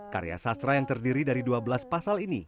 karya sastra yang terdiri dari dua belas pasal ini